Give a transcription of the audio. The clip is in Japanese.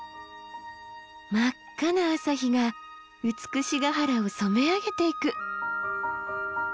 真っ赤な朝日が美ヶ原を染め上げていく。